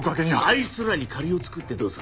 あいつらに借りを作ってどうする。